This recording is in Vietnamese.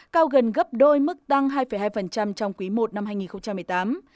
cao gần gấp đôi mức tăng hai hai trong quý i năm hai nghìn một mươi tám